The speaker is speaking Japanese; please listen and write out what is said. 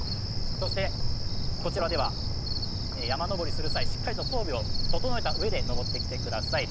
そしてこちらでは山登りする際、しっかりと装備を整えたうえで登ってきてください。